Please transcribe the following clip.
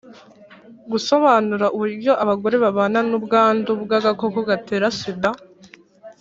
Gusobanura uburyo abagore babana n ubwandu bw agakoko gatera sida